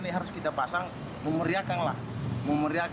itu buat apa aja uangnya pak